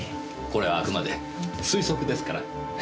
これはあくまで推測ですから。